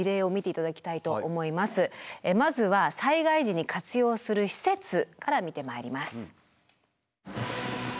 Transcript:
まずは災害時に活用する施設から見てまいります。